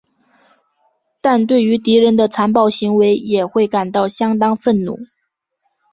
但对于敌人的残暴行为也会感到相当愤怒。